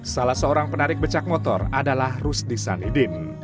salah seorang penarik becak motor adalah rusdi sanidin